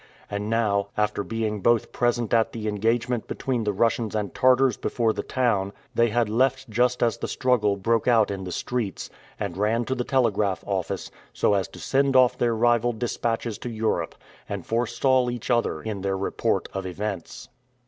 And now, after being both present at the engagement between the Russians and Tartars before the town, they had left just as the struggle broke out in the streets, and ran to the telegraph office, so as to send off their rival dispatches to Europe, and forestall each other in their report of events.